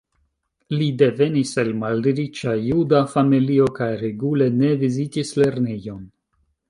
Li devenis el malriĉa juda familio kaj regule ne vizitis lernejon.